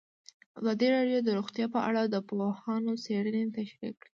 ازادي راډیو د روغتیا په اړه د پوهانو څېړنې تشریح کړې.